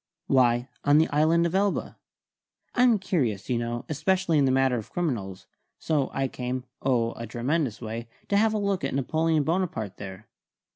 "Why, on the island of Elba. I'm curious, you know, especially in the matter of criminals, so I came oh, a tremendous way to have a look at Napoleon Bonaparte, there.